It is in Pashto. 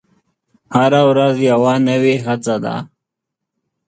هره ورځ یوه نوې هڅه ده.